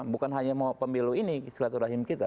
bukan hanya mau pemilu ini silaturahim kita